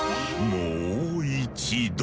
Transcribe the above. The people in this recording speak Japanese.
もう一度。